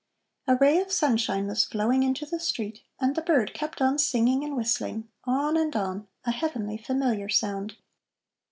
A ray of sunshine was flowing into the street, and the bird kept on singing and whistling, on and on, a heavenly, familiar sound.